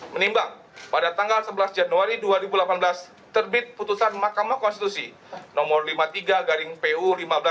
menimbang pada tanggal sebelas januari dua ribu delapan belas terbit putusan mahkamah konstitusi no lima puluh tiga pu lima belas dua ribu tujuh belas